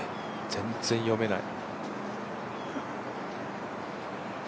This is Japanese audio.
全然読めない。